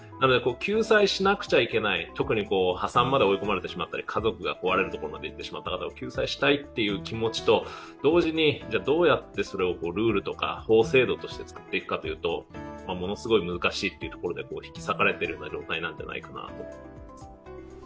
救済しなくちゃいけない、特に破産まで追い込まれてしまったり、家族が壊れるところまでいってしまった方々を救済したいという気持ちと同時に、どうやってそれをルールとか法制度として作っていくかというとものすごい難しいということで引き裂かれてる状態ではないかと思います。